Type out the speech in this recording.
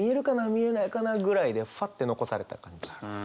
見えないかな？ぐらいでふわって残された感じ。